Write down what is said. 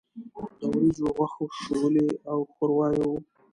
د وریجو، غوښو، شولې او ښورواوې وو.